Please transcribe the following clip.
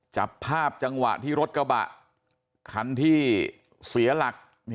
จับภาพจังหวะที่รถกระบะคันที่เสียหลัก